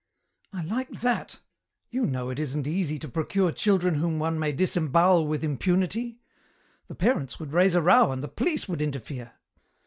"I like that. You know it isn't easy to procure children whom one may disembowel with impunity. The parents would raise a row and the police would interfere."